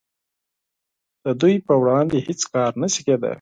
د دوی په وړاندې هیڅ کار نشي کیدای